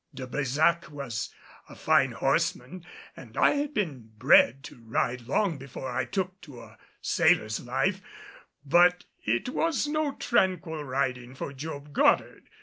De Brésac was a fine horseman and I had been bred to ride long before I took to a sailor's life, but it was no tranquil riding for Job Goddard.